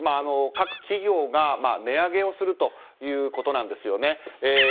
各企業が値上げをするということなんですよね。